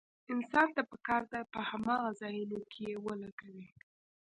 انسان ته پکار ده په هماغو ځايونو کې يې ولګوي.